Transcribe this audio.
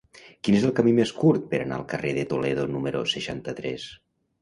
Quin és el camí més curt per anar al carrer de Toledo número seixanta-tres?